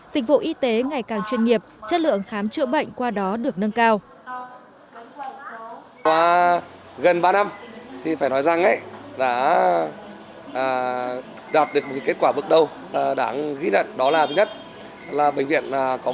dịch vụ y tế ngày càng chuyên nghiệp chất lượng khám chữa bệnh qua đó được nâng cao